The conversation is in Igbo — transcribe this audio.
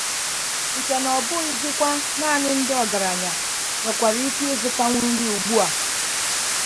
nke na ọ bụzịkwa naanị ndị ọgaranya nwekwara ike ịzụtanwu nri ugbua.